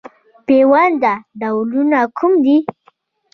د پیوند ډولونه کوم دي؟